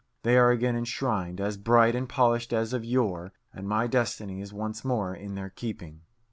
They are again enshrined, as bright and polished as of yore, and my destiny is once more in their keeping.